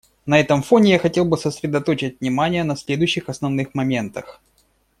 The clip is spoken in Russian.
На этом фоне я хотел бы сосредоточить внимание на следующих основных моментах.